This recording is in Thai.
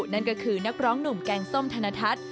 นั่นก็คือนักร้องหนุ่มแกงส้มธนทัศน์